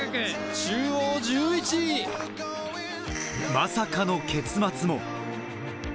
まさかの結末も。